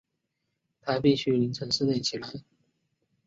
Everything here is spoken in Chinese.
她必须清晨四点起来